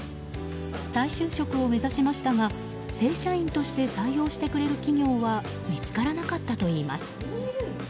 再就職を目指しましたが正社員として採用してくれる企業は見つからなかったといいます。